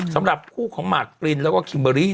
สำหรับผู้ของมากกริลแล้วก็กิมเบอร์รี่เนี่ย